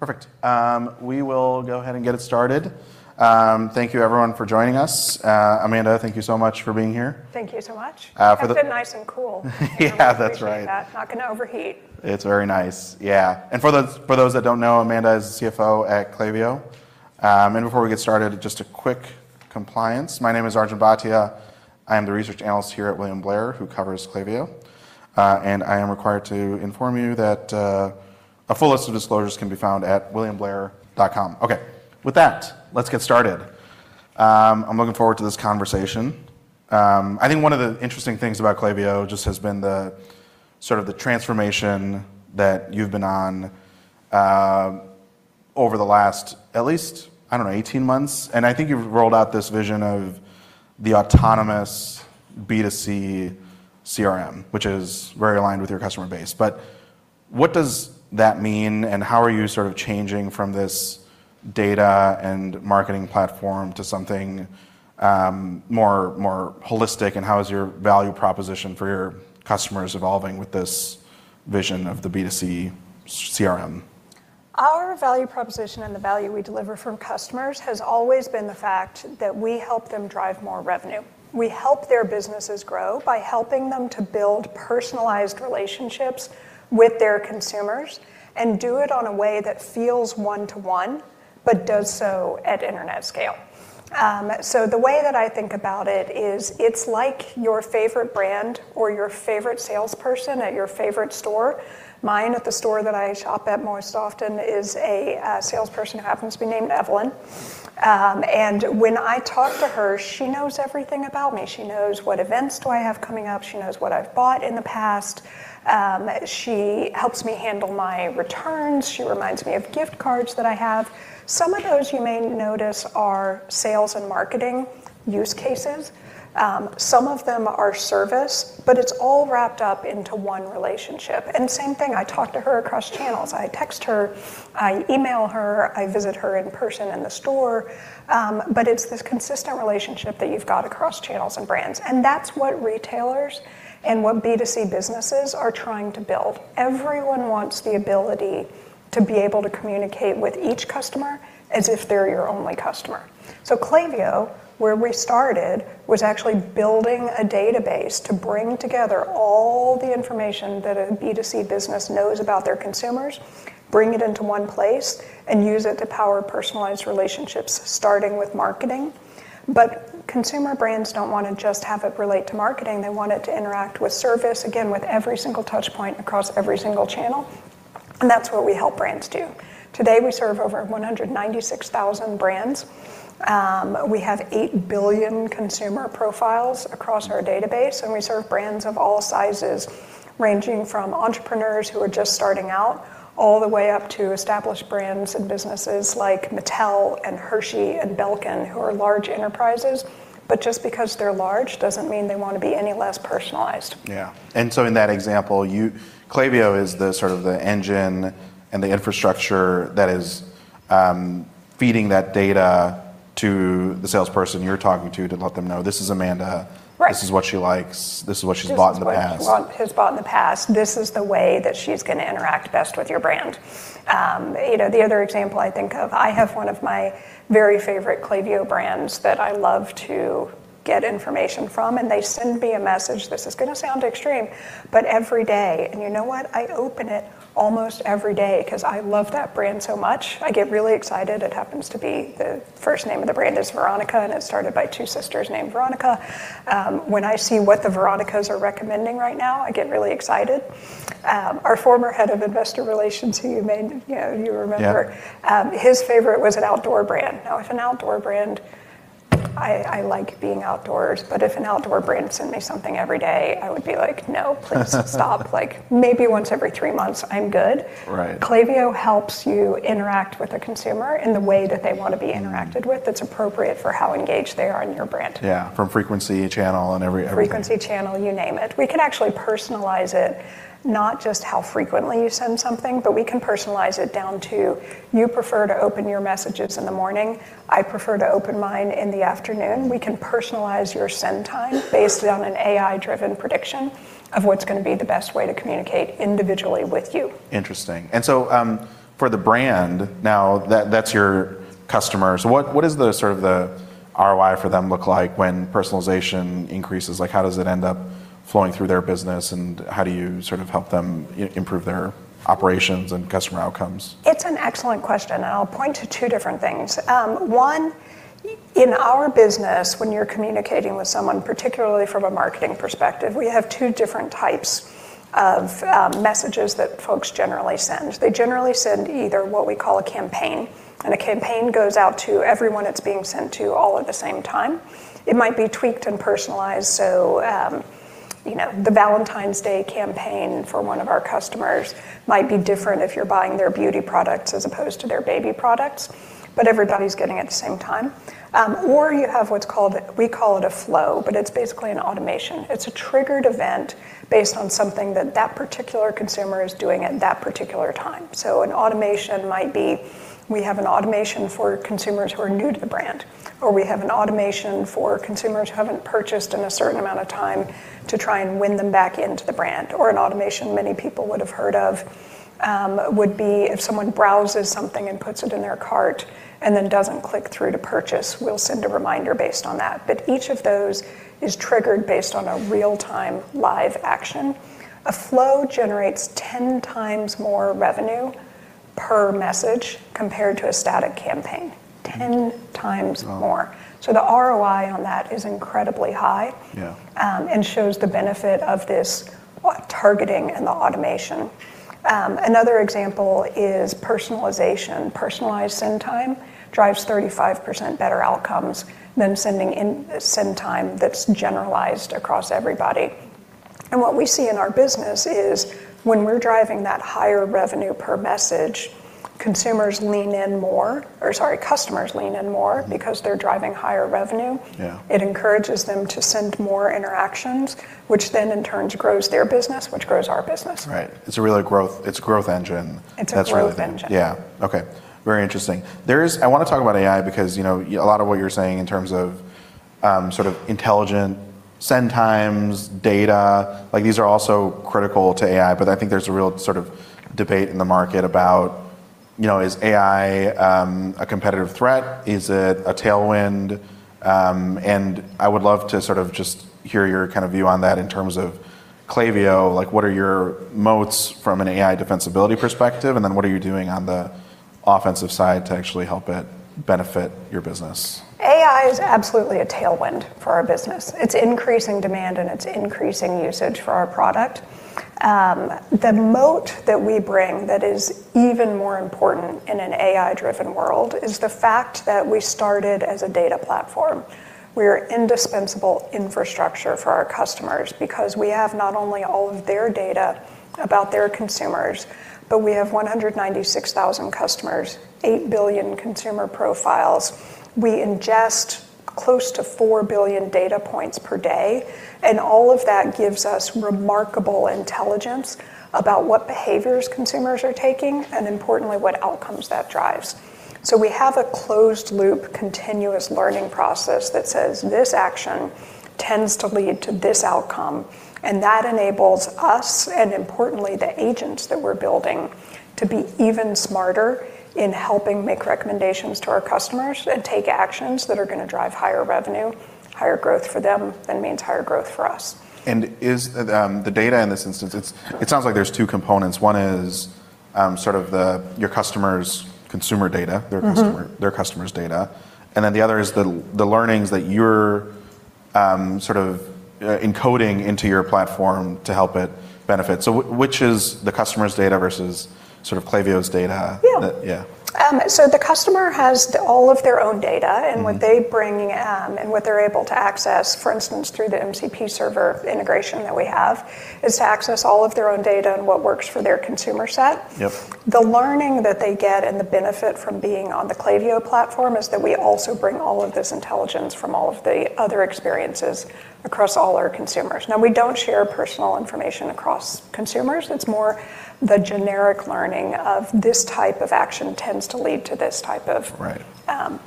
Perfect. We will go ahead and get it started. Thank you everyone for joining us. Amanda, thank you so much for being here. Thank you so much. For the- It's been nice and cool. Yeah, that's right. I appreciate that. Not going to overheat. It's very nice, yeah. For those that don't know, Amanda is the CFO at Klaviyo. Before we get started, just a quick compliance. My name is Arjun Bhatia. I am the research analyst here at William Blair, who covers Klaviyo. I am required to inform you that a full list of disclosures can be found at williamblair.com. Okay. With that, let's get started. I'm looking forward to this conversation. I think one of the interesting things about Klaviyo just has been the transformation that you've been on, over the last, at least, I don't know, 18 months. I think you've rolled out this vision of the autonomous B2C CRM, which is very aligned with your customer base. What does that mean and how are you changing from this data and marketing platform to something more holistic? How is your value proposition for your customers evolving with this vision of the B2C CRM? Our value proposition and the value we deliver from customers has always been the fact that we help them drive more revenue. We help their businesses grow by helping them to build personalized relationships with their consumers, and do it in a way that feels one-to-one, but does so at internet scale. The way that I think about it is, it's like your favorite brand or your favorite salesperson at your favorite store. Mine at the store that I shop at most often is a salesperson who happens to be named Evelyn. When I talk to her, she knows everything about me. She knows what events do I have coming up. She knows what I've bought in the past. She helps me handle my returns. She reminds me of gift cards that I have. Some of those you may notice are sales and marketing use cases. Some of them are service, it's all wrapped up into one relationship. Same thing, I talk to her across channels. I text her, I email her, I visit her in person in the store. It's this consistent relationship that you've got across channels and brands, and that's what retailers and what B2C businesses are trying to build. Everyone wants the ability to be able to communicate with each customer as if they're your only customer. Klaviyo, where we started, was actually building a database to bring together all the information that a B2C business knows about their consumers, bring it into one place, and use it to power personalized relationships, starting with marketing. Consumer brands don't want to just have it relate to marketing. They want it to interact with service, again, with every single touch point across every single channel, and that's what we help brands do. Today, we serve over 196,000 brands. We have 8 billion consumer profiles across our database, and we serve brands of all sizes, ranging from entrepreneurs who are just starting out, all the way up to established brands and businesses like Mattel and Hershey and Belkin, who are large enterprises. Just because they're large, doesn't mean they want to be any less personalized. Yeah. In that example, Klaviyo is the engine and the infrastructure that is feeding that data to the salesperson you're talking to let them know, "This is Amanda. Right. This is what she likes. This is what she's bought in the past. This is what has bought in the past. This is the way that she's going to interact best with your brand. The other example I think of, I have one of my very favorite Klaviyo brands that I love to get information from, and they send me a message, this is going to sound extreme, but every day. You know what. I open it almost every day because I love that brand so much. I get really excited. It happens to be, the first name of the brand is Veronica, and it's started by two sisters named Veronica. When I see what the Veronicas are recommending right now, I get really excited. Our former head of investor relations, who you may know. Yeah his favorite was an outdoor brand. If an outdoor brand, I like being outdoors, but if an outdoor brand sent me something every day, I would be like, "No, please stop." Maybe once every three months, I'm good. Right. Klaviyo helps you interact with a consumer in the way that they want to be interacted with, that's appropriate for how engaged they are in your brand. Yeah. From frequency, channel, and every everything. Frequency, channel, you name it. We can actually personalize it, not just how frequently you send something, but we can personalize it down to, you prefer to open your messages in the morning. I prefer to open mine in the afternoon. We can personalize your send time based on an AI-driven prediction of what's going to be the best way to communicate individually with you. Interesting. For the brand, now that that's your customer, what does the ROI for them look like when personalization increases? How does it end up flowing through their business, and how do you help them improve their operations and customer outcomes? It's an excellent question. I'll point to two different things. One, in our business, when you're communicating with someone, particularly from a marketing perspective, we have two different types of messages that folks generally send. They generally send either what we call a campaign, and a campaign goes out to everyone it's being sent to all at the same time. It might be tweaked and personalized. The Valentine's Day campaign for one of our customers might be different if you're buying their beauty products as opposed to their baby products. Everybody's getting it at the same time. You have what we call it a flow, but it's basically an automation. It's a triggered event based on something that that particular consumer is doing at that particular time. An automation might be, we have an automation for consumers who are new to the brand, or we have an automation for consumers who haven't purchased in a certain amount of time to try and win them back into the brand. An automation many people would've heard of, would be if someone browses something and puts it in their cart and then doesn't click through to purchase, we'll send a reminder based on that. Each of those is triggered based on a real-time, live action. A flow generates 10 times more revenue per message compared to a static campaign. 10 times more. The ROI on that is incredibly high. Yeah Shows the benefit of this targeting and the automation. Another example is personalization. Personalized send time drives 35% better outcomes than sending send time that's generalized across everybody. What we see in our business is when we're driving that higher revenue per message, customers lean in more because they're driving higher revenue. Yeah. It encourages them to send more interactions, which then in turn grows their business, which grows our business. Right. It's a growth engine. It's a growth engine. Yeah. Okay. Very interesting. I want to talk about AI because a lot of what you're saying in terms of intelligent send times, data, these are all so critical to AI. I think there's a real debate in the market about is AI a competitive threat? Is it a tailwind? I would love to just hear your view on that in terms of Klaviyo. What are your moats from an AI defensibility perspective, and then what are you doing on the offensive side to actually help it benefit your business? AI is absolutely a tailwind for our business. It's increasing demand, and it's increasing usage for our product. The moat that we bring that is even more important in an AI-driven world is the fact that we started as a data platform. We are indispensable infrastructure for our customers because we have not only all of their data about their consumers, but we have 196,000 customers, 8 billion consumer profiles. We ingest close to 4 billion data points per day, and all of that gives us remarkable intelligence about what behaviors consumers are taking and importantly, what outcomes that drives. We have a closed loop, continuous learning process that says this action tends to lead to this outcome, and that enables us, and importantly, the agents that we're building, to be even smarter in helping make recommendations to our customers and take actions that are going to drive higher revenue, higher growth for them, and means higher growth for us. The data in this instance, it sounds like there's two components. One is your customer's consumer data. Their customer's data, and then the other is the learnings that you're encoding into your platform to help it benefit. Which is the customer's data versus Klaviyo's data? Yeah. Yeah. The customer has all of their own data and what they bring and what they're able to access, for instance, through the MCP server integration that we have, is to access all of their own data and what works for their consumer set. Yep. The learning that they get and the benefit from being on the Klaviyo platform is that we also bring all of this intelligence from all of the other experiences across all our consumers. We don't share personal information across consumers. It's more the generic learning of this type of action tends to lead to this type of. Right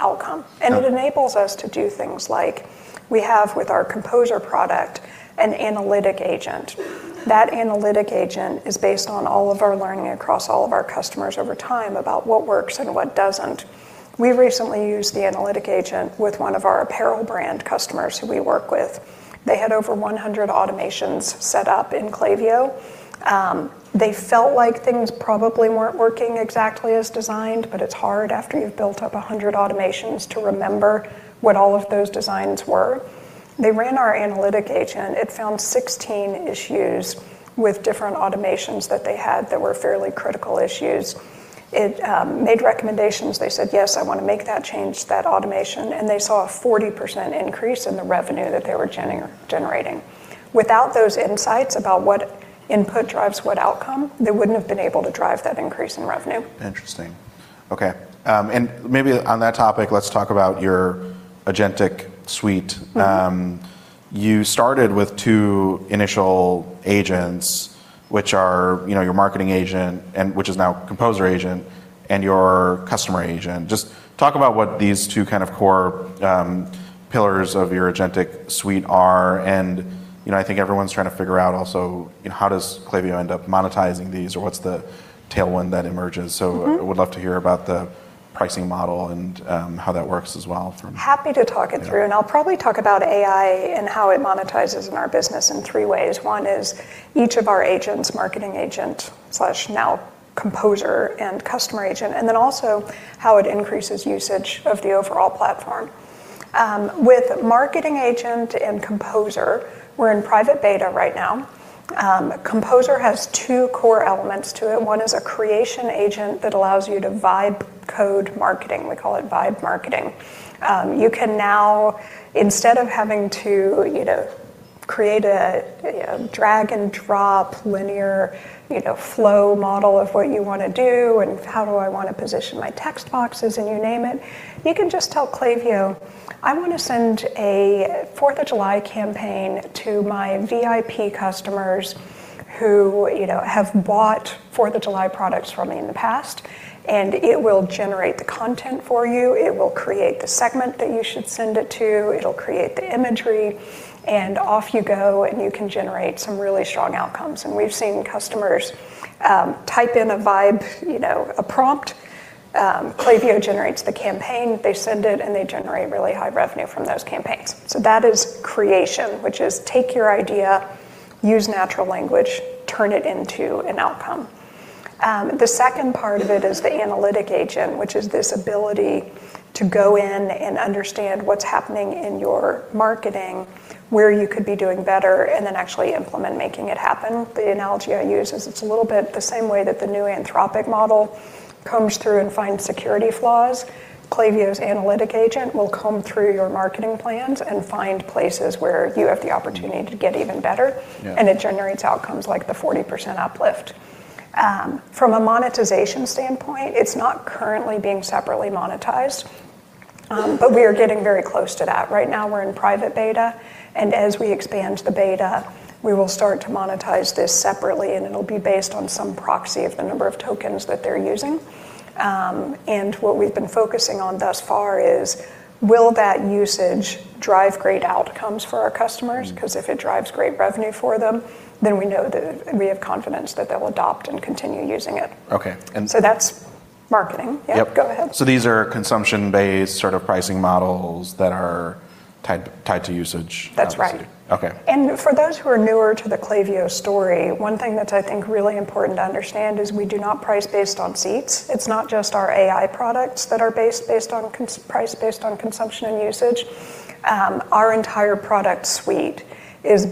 outcome. Yeah. It enables us to do things like we have with our Composer product, an analytic agent. That analytic agent is based on all of our learning across all of our customers over time about what works and what doesn't. We recently used the analytic agent with one of our apparel brand customers who we work with. They had over 100 automations set up in Klaviyo. They felt like things probably weren't working exactly as designed, but it's hard after you've built up 100 automations to remember what all of those designs were. They ran our analytic agent. It found 16 issues with different automations that they had that were fairly critical issues. It made recommendations. They said, "Yes, I want to make that change, that automation," and they saw a 40% increase in the revenue that they were generating. Without those insights about what input drives what outcome, they wouldn't have been able to drive that increase in revenue. Interesting. Okay. Maybe on that topic, let's talk about your agentic suite. You started with two initial agents, which are your Marketing Agent, which is now Composer Agent, and your Customer Agent. Just talk about what these two core pillars of your agentic suite are, and I think everyone's trying to figure out also how does Klaviyo end up monetizing these, or what's the tailwind that emerges. I would love to hear about the pricing model and how that works as well. Happy to talk it through. I'll probably talk about AI and how it monetizes in our business in three ways. One is each of our agents, Marketing Agent/now Composer and Customer Agent, and then also how it increases usage of the overall platform. With Marketing Agent and Composer, we're in private beta right now. Composer has two core elements to it. One is a creation agent that allows you to vibe code marketing. We call it vibe marketing. You can now, instead of having to create a drag and drop linear flow model of what you want to do and how do I want to position my text boxes, and you name it, you can just tell Klaviyo, "I want to send a Fourth of July campaign to my VIP customers who have bought Fourth of July products from me in the past." It will generate the content for you. It will create the segment that you should send it to. It'll create the imagery, and off you go, and you can generate some really strong outcomes. We've seen customers type in a vibe, a prompt, Klaviyo generates the campaign, they send it, and they generate really high revenue from those campaigns. That is creation, which is take your idea, use natural language, turn it into an outcome. The second part of it is the analytic agent, which is this ability to go in and understand what's happening in your marketing, where you could be doing better, and then actually implement making it happen. The analogy I use is it's a little bit the same way that the new Anthropic model combs through and finds security flaws. Klaviyo's analytic agent will comb through your marketing plans and find places where you have the opportunity to get even better. Yeah. It generates outcomes like the 40% uplift. From a monetization standpoint, it's not currently being separately monetized, but we are getting very close to that. Right now, we're in private beta, and as we expand the beta, we will start to monetize this separately, and it'll be based on some proxy of the number of tokens that they're using. What we've been focusing on thus far is will that usage drive great outcomes for our customers? If it drives great revenue for them, then we know that we have confidence that they'll adopt and continue using it. Okay. That's marketing. Yep. Yeah, go ahead. These are consumption-based sort of pricing models that are tied to usage. That's right. obviously. Okay. For those who are newer to the Klaviyo story, one thing that I think is really important to understand is we do not price based on seats. It's not just our AI products that are priced based on consumption and usage. Our entire product suite is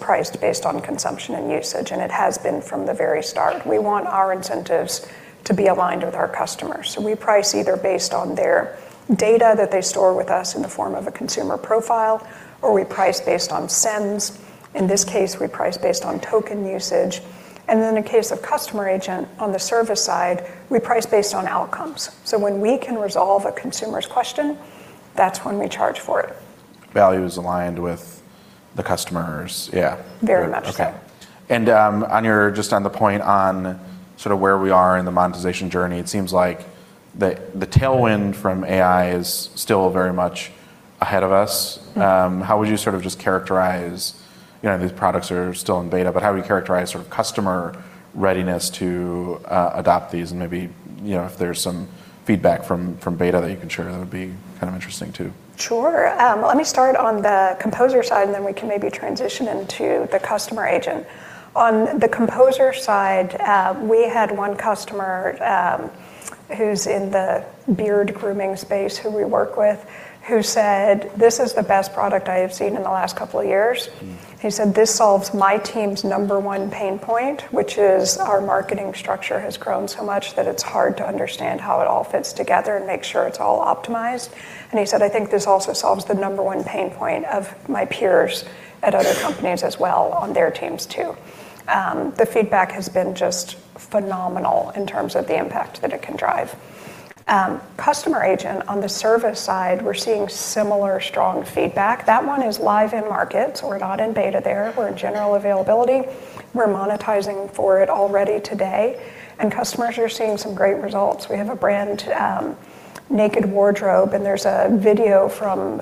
priced based on consumption and usage, and it has been from the very start. We want our incentives to be aligned with our customers, so we price either based on their data that they store with us in the form of a consumer profile, or we price based on sends. In this case, we price based on token usage. In case of Customer Agent, on the service side, we price based on outcomes. When we can resolve a consumer's question, that's when we charge for it. Value is aligned with the customers, yeah. Very much so. Okay. Just on the point on sort of where we are in the monetization journey, it seems like the tailwind from AI is still very much ahead of us. How would you sort of just characterize, these products are still in beta, but how would you characterize sort of customer readiness to adopt these? Maybe, if there's some feedback from beta that you can share, that would be kind of interesting, too. Sure. Let me start on the Composer side, and then we can maybe transition into the Customer Agent. On the Composer side, we had one customer who's in the beard grooming space who we work with, who said, "This is the best product I have seen in the last couple of years. He said, "This solves my team's number one pain point, which is our marketing structure has grown so much that it's hard to understand how it all fits together and make sure it's all optimized." He said, "I think this also solves the number one pain point of my peers at other companies as well on their teams, too." The feedback has been just phenomenal in terms of the impact that it can drive. Customer Agent, on the service side, we're seeing similar strong feedback. That one is live in markets. We're not in beta there. We're in general availability. We're monetizing for it already today, and customers are seeing some great results. We have a brand, Naked Wardrobe, and there's a video from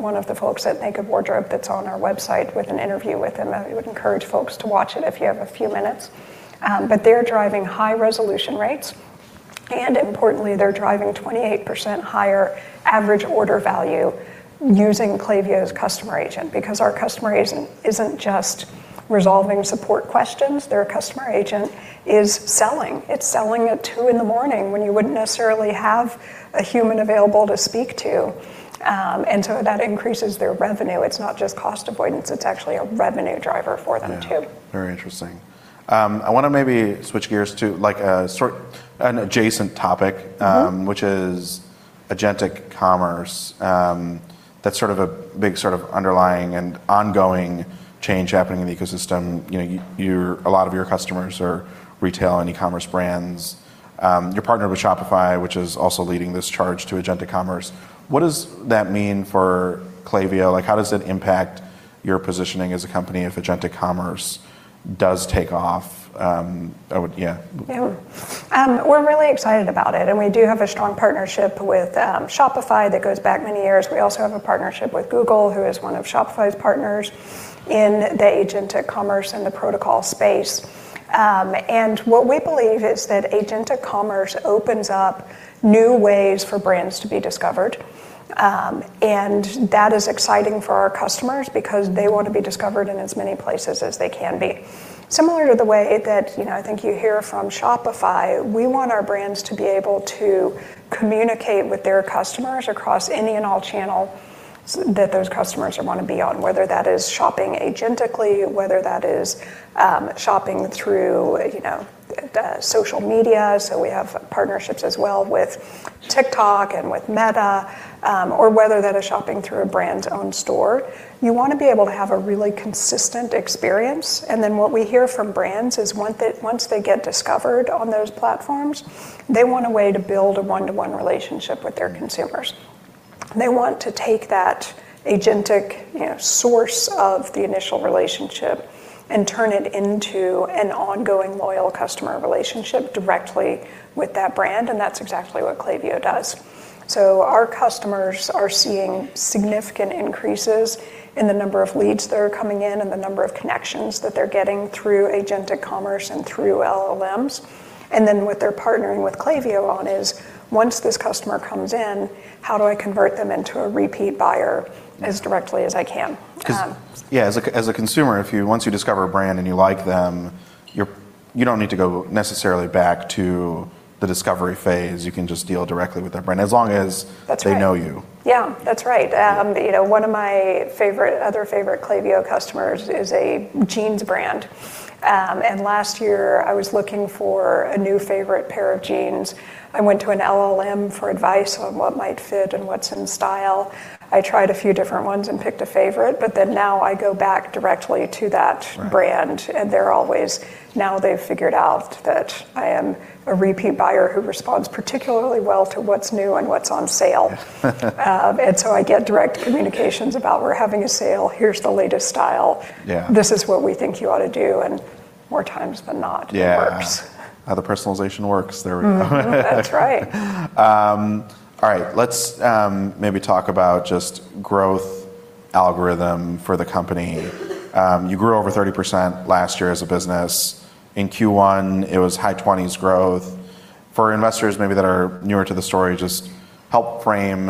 one of the folks at Naked Wardrobe that's on our website with an interview with him. I would encourage folks to watch it if you have a few minutes. They're driving high resolution rates, and importantly, they're driving 28% higher average order value using Klaviyo's Customer Agent because our Customer Agent isn't just resolving support questions. Their Customer Agent is selling. It's selling at 2:00 A.M. when you wouldn't necessarily have a human available to speak to, and so that increases their revenue. It's not just cost avoidance. It's actually a revenue driver for them, too. Yeah. Very interesting. I want to maybe switch gears to an adjacent topic, which is agentic commerce. That's sort of a big underlying and ongoing change happening in the ecosystem. A lot of your customers are retail and e-commerce brands. You're partnered with Shopify, which is also leading this charge to agentic commerce. What does that mean for Klaviyo? How does it impact your positioning as a company if agentic commerce does take off? Yeah. Yeah. We're really excited about it, and we do have a strong partnership with Shopify that goes back many years. We also have a partnership with Google, who is one of Shopify's partners in the agentic commerce and the protocol space. What we believe is that agentic commerce opens up new ways for brands to be discovered, and that is exciting for our customers because they want to be discovered in as many places as they can be. Similar to the way that I think you hear from Shopify, we want our brands to be able to communicate with their customers across any and all channel that those customers want to be on, whether that is shopping agentically, whether that is shopping through social media, so we have partnerships as well with TikTok and with Meta, or whether that is shopping through a brand's own store. You want to be able to have a really consistent experience. What we hear from brands is once they get discovered on those platforms, they want a way to build a one-to-one relationship with their consumers. They want to take that agentic source of the initial relationship and turn it into an ongoing loyal customer relationship directly with that brand, and that's exactly what Klaviyo does. Our customers are seeing significant increases in the number of leads that are coming in and the number of connections that they're getting through agentic commerce and through LLMs. What they're partnering with Klaviyo on is once this customer comes in, how do I convert them into a repeat buyer as directly as I can? Yeah, as a consumer, once you discover a brand and you like them. You don't need to go necessarily back to the discovery phase. You can just deal directly with their brand as long as. That's right. they know you. Yeah. That's right. One of my other favorite Klaviyo customers is a jeans brand. Last year, I was looking for a new favorite pair of jeans. I went to an LLM for advice on what might fit and what's in style. I tried a few different ones and picked a favorite, but then now I go back directly to that brand. Right. They're always, now they've figured out that I am a repeat buyer who responds particularly well to what's new and what's on sale. I get direct communications about, "We're having a sale. Here's the latest style. Yeah. This is what we think you ought to do. Yeah It works. The personalization works. There we go. That's right. All right. Let's maybe talk about just growth algorithm for the company. You grew over 30% last year as a business. In Q1, it was high 20s growth. For investors maybe that are newer to the story, just help frame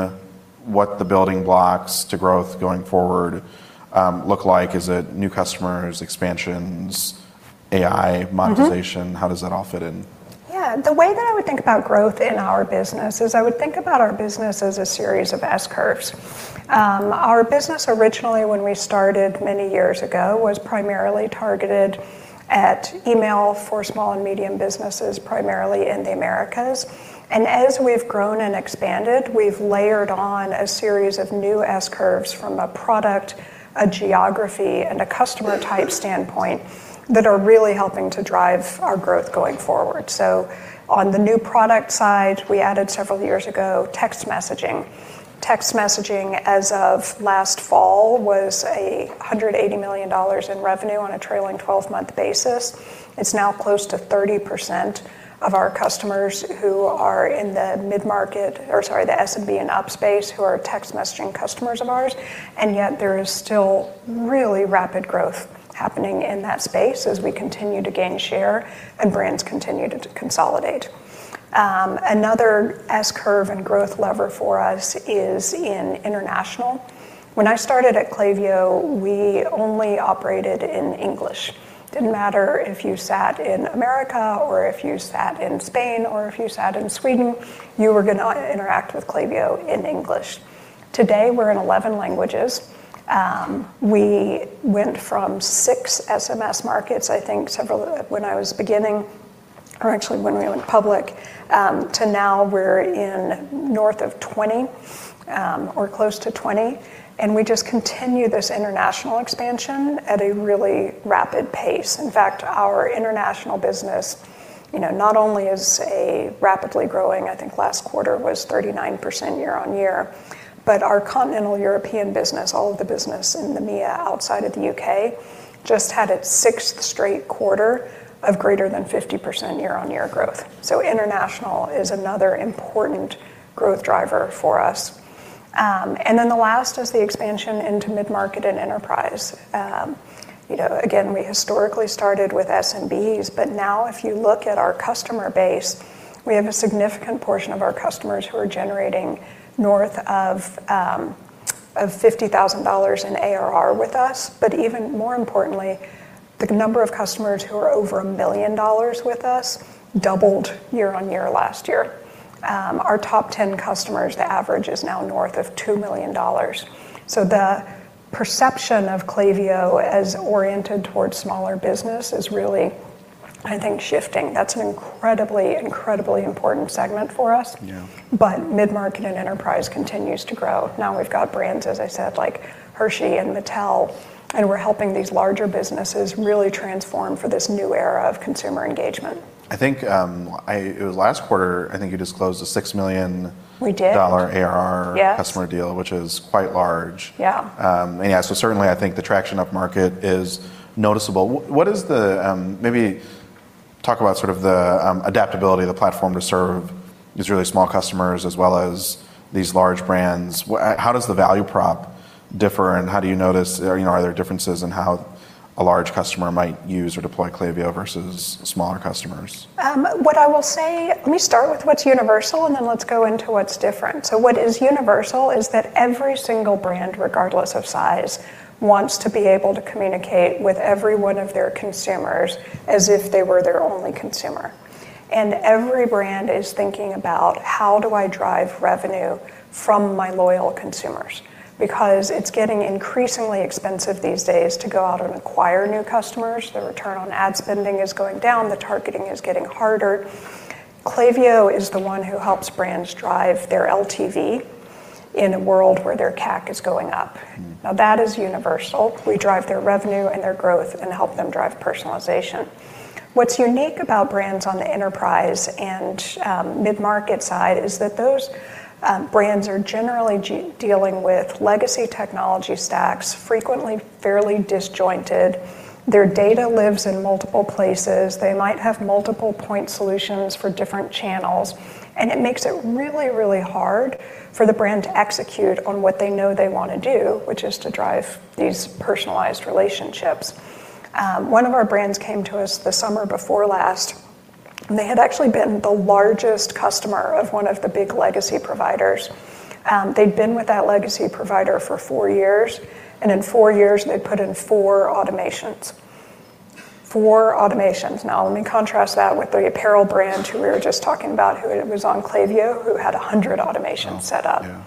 what the building blocks to growth going forward look like. Is it new customers, expansions, AI-monetization? How does that all fit in? Yeah. The way that I would think about growth in our business is I would think about our business as a series of S-curves. Our business originally when we started many years ago, was primarily targeted at email for small and medium businesses, primarily in the Americas. As we've grown and expanded, we've layered on a series of new S-curves from a product, a geography, and a customer type standpoint that are really helping to drive our growth going forward. On the new product side, we added several years ago, text messaging. Text messaging as of last fall was $180 million in revenue on a trailing 12-month basis. It's now close to 30% of our customers who are in the mid-market, or sorry, the SMB and up space, who are text messaging customers of ours. Yet there is still really rapid growth happening in that space as we continue to gain share and brands continue to consolidate. Another S-curve and growth lever for us is in international. When I started at Klaviyo, we only operated in English. Didn't matter if you sat in America or if you sat in Spain or if you sat in Sweden, you were going to interact with Klaviyo in English. Today we're in 11 languages. We went from six SMS markets, I think several when I was beginning, or actually when we went public, to now we're in north of 20, or close to 20. We just continue this international expansion at a really rapid pace. In fact, our international business, not only is rapidly growing, I think last quarter was 39% year-over-year, but our continental European business, all of the business in the EMEA outside of the U.K., just had its sixth straight quarter of greater than 50% year-over-year growth. International is another important growth driver for us. The last is the expansion into mid-market and enterprise. Again, we historically started with SMBs, but now if you look at our customer base, we have a significant portion of our customers who are generating north of $50,000 in ARR with us. Even more importantly, the number of customers who are over $1 million with us doubled year-over-year last year. Our top 10 customers, the average is now north of $2 million. The perception of Klaviyo as oriented towards smaller business is really, I think, shifting. That's an incredibly important segment for us. Yeah. Mid-market and enterprise continues to grow. Now we've got brands, as I said, like Hershey and Mattel, and we're helping these larger businesses really transform for this new era of consumer engagement. I think it was last quarter, I think you disclosed a $6 million- We did. ARR- Yes customer deal, which is quite large. Yeah. Yeah. Certainly I think the traction up market is noticeable. Maybe talk about sort of the adaptability of the platform to serve these really small customers as well as these large brands. How does the value prop differ, and how do you notice, are there differences in how a large customer might use or deploy Klaviyo versus smaller customers? What I will say, let me start with what's universal and then let's go into what's different. What is universal is that every single brand, regardless of size, wants to be able to communicate with every one of their consumers as if they were their only consumer. Every brand is thinking about, how do I drive revenue from my loyal consumers? Because it's getting increasingly expensive these days to go out and acquire new customers. The return on ad spending is going down. The targeting is getting harder. Klaviyo is the one who helps brands drive their LTV in a world where their CAC is going up. Now that is universal. We drive their revenue and their growth and help them drive personalization. What's unique about brands on the enterprise and mid-market side is that those brands are generally dealing with legacy technology stacks, frequently fairly disjointed. Their data lives in multiple places. They might have multiple point solutions for different channels, and it makes it really, really hard for the brand to execute on what they know they want to do, which is to drive these personalized relationships. One of our brands came to us the summer before last. They had actually been the largest customer of one of the big legacy providers. They'd been with that legacy provider for four years, and in four years, they'd put in four automations. Four automations. Let me contrast that with the apparel brand who we were just talking about, who was on Klaviyo, who had 100 automations set up. Wow.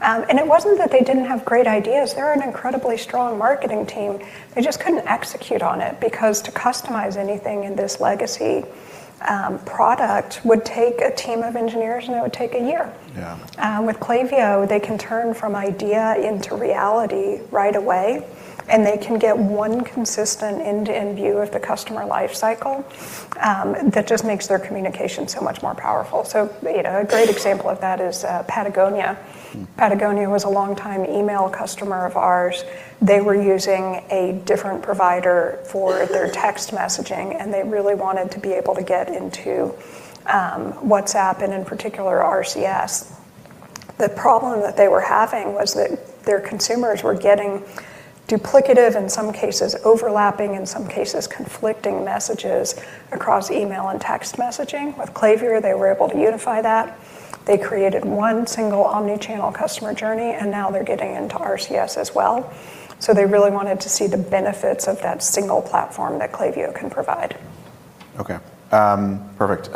Yeah. It wasn't that they didn't have great ideas. They're an incredibly strong marketing team. They just couldn't execute on it, because to customize anything in this legacy product would take a team of engineers, and it would take a year. Yeah. With Klaviyo, they can turn from idea into reality right away. They can get one consistent end-to-end view of the customer life cycle, that just makes their communication so much more powerful. A great example of that is Patagonia. Patagonia was a long-time email customer of ours. They were using a different provider for their text messaging. They really wanted to be able to get into WhatsApp and in particular, RCS. The problem that they were having was that their consumers were getting duplicative, in some cases overlapping, in some cases conflicting messages across email and text messaging. With Klaviyo, they were able to unify that. They created one single omni-channel customer journey. Now they're getting into RCS as well. They really wanted to see the benefits of that single platform that Klaviyo can provide. Okay. Perfect.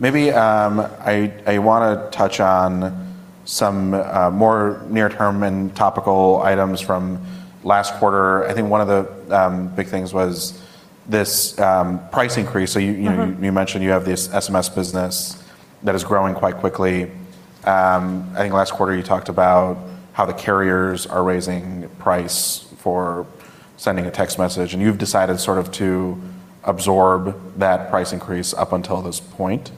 Maybe I want to touch on some more near-term and topical items from last quarter. I think one of the big things was this price increase. You mentioned you have this SMS business that is growing quite quickly. I think last quarter you talked about how the carriers are raising price for sending a text message, and you've decided sort of to absorb that price increase up until this point.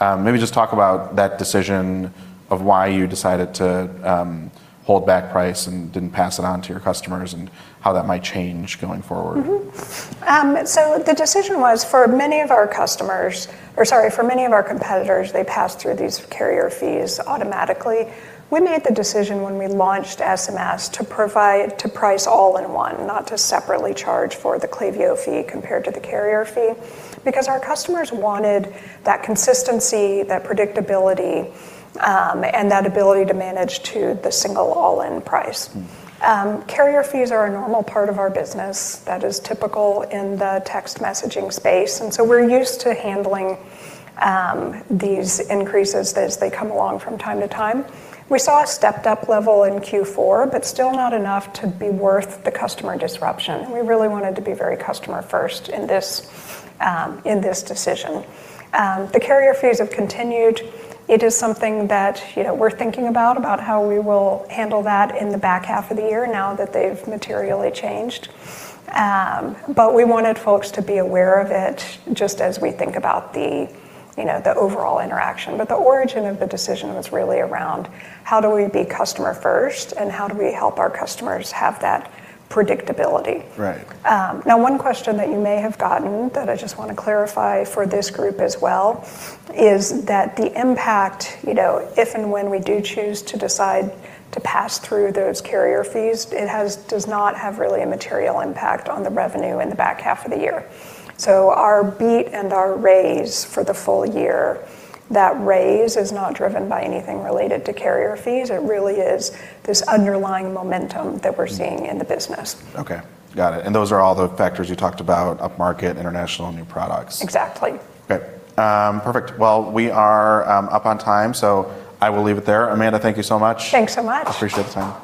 Maybe just talk about that decision of why you decided to hold back price and didn't pass it on to your customers, and how that might change going forward. The decision was for many of our competitors, they pass through these carrier fees automatically. We made the decision when we launched SMS to price all-in-one, not to separately charge for the Klaviyo fee compared to the carrier fee, because our customers wanted that consistency, that predictability, and that ability to manage to the single all-in price. Carrier fees are a normal part of our business that is typical in the text messaging space. We're used to handling these increases as they come along from time to time. We saw a stepped-up level in Q4, still not enough to be worth the customer disruption. We really wanted to be very customer first in this decision. The carrier fees have continued. It is something that we're thinking about how we will handle that in the back half of the year now that they've materially changed. We wanted folks to be aware of it, just as we think about the overall interaction. The origin of the decision was really around how do we be customer first, and how do we help our customers have that predictability? Right. One question that you may have gotten that I just want to clarify for this group as well is that the impact, if and when we do choose to decide to pass through those carrier fees, it does not have really a material impact on the revenue in the back half of the year. Our beat and our raise for the full year, that raise is not driven by anything related to carrier fees. It really is this underlying momentum that we're seeing in the business. Okay. Got it. Those are all the factors you talked about, up-market, international, new products. Exactly. Okay. Perfect. Well, we are up on time, so I will leave it there. Amanda, thank you so much. Thanks so much. Appreciate the time.